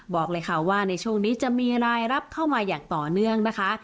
บอกเลยค่ะว่าในช่วงนี้จะมีรายรับเข้ามาอย่างต่อเนื่องนะคะ